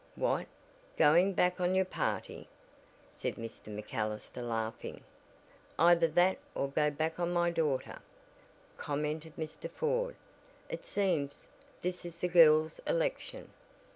"What, going back on your party?" said Mr. MacAllister, laughing. "Either that or go back on my own daughter," commented Mr. Ford. "It seems this is the girls' election."